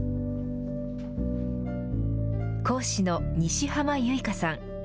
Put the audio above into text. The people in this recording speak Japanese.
講師の西濱優衣香さん。